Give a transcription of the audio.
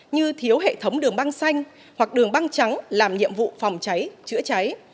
như thiếu hệ thống đường băng xanh hoặc đường băng trắng làm nhiệm vụ phòng cháy chữa cháy